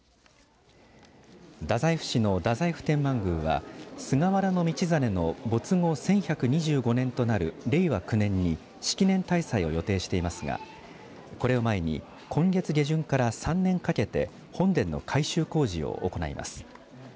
太宰府市の太宰府天満宮は菅原道真の没後、１１２５年令和９年に式年大祭を予定していますがこれを前に今月下旬から３年かけて本殿の改修工事を行います。